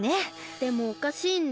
でもおかしいんです。